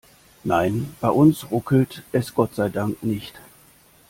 Nein, bei uns ruckelt es Gott sei Dank nicht.